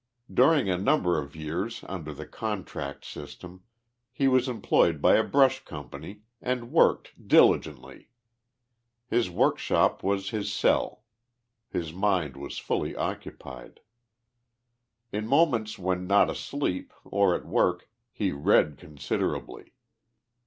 During a number of years, under the contract system, he was emploj'ed by a brush company and worked diligently. Ilis work shop was his cell. His mind was fully occupied. In moments when not asleep, or at work, he read considera bly.